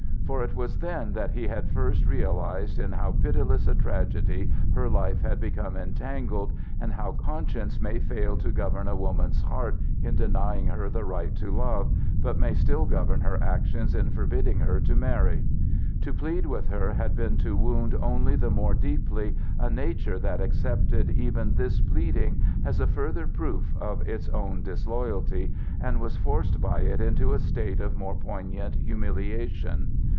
For it was then that he had first realized in how pitiless a tragedy her life had become entangled, and how conscience may fail to govern a woman's heart in denying her the right to love, but may still govern her actions in forbidding her to marry. To plead with her had been to wound only the more deeply a nature that accepted even this pleading as a further proof of its own disloyalty, and was forced by it into a state of more poignant humiliation.